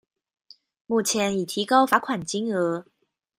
目前已提高罰款金額